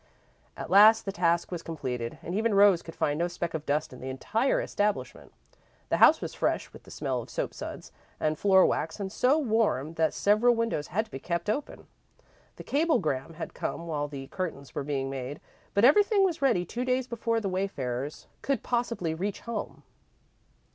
At last the task was completed, and even Rose could find no speck of dust in the entire establishment. The house was fresh with the smell of soap suds and floor wax and so warm that several windows had to be kept open. The cablegram had come while the curtains were being made, but everything was ready two days before the wayfarers could possibly reach home.